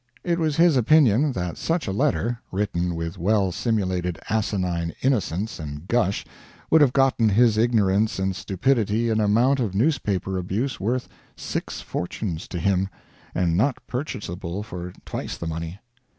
It was his opinion that such a letter, written with well simulated asinine innocence and gush would have gotten his ignorance and stupidity an amount of newspaper abuse worth six fortunes to him, and not purchasable for twice the money.